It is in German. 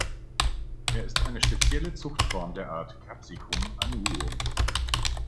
Er ist eine spezielle Zuchtform der Art "Capsicum annuum".